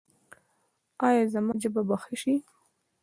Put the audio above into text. ایا زما ژبه به ښه شي؟